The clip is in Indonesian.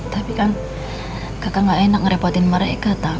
tapi kak kakak gak enak ngerepotin mereka tau gak